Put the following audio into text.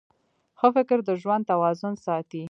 ښه فکر د ژوند توازن ساتي.